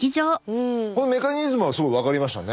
このメカニズムはすごく分かりましたね。